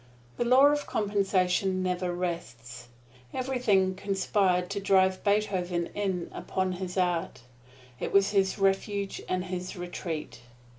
The law of compensation never rests. Everything conspired to drive Beethoven in upon his art it was his refuge and retreat.